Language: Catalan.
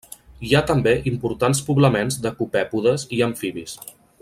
Hi ha també importants poblaments de copèpodes i amfibis.